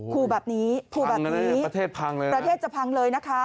ภูมิแบบนี้ประเทศจะพังเลยนะคะ